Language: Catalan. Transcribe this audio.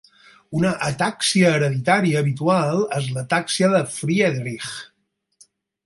Una atàxia hereditària habitual és l'atàxia de Friedreich.